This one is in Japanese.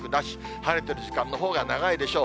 晴れてる時間のほうが長いでしょう。